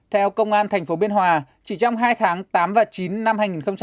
theo công an tp biên hòa chỉ trong hai tháng tám và chín năm hai nghìn một mươi tám